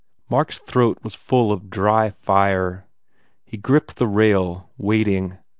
..." Mark s throat was full of dry fire. He gripped the rail, waiting.